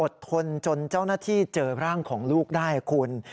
ทนจนเจ้าหน้าที่เจอร่างของลูกได้คุณ